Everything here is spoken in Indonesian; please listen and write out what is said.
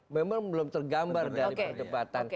memang belum tergambar dari perdebatan